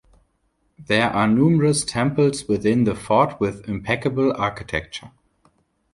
There are numerous temples within the fort with impeccable architecture.